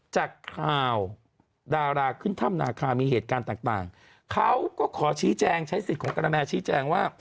จากข่าวดาราขึ้นถ้ำนาคามีเหตุการณ์ต่างเขาก็ขอชี้แจงใช้สิทธิ์ของกระแมชี้แจงว่า